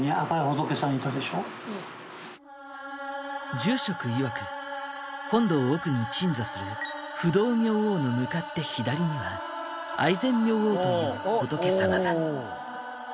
住職いわく本堂奥に鎮座する不動明王の向かって左には愛染明王という仏さまが。